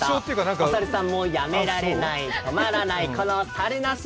お猿さんもやめられない、止まらないこのさるなし。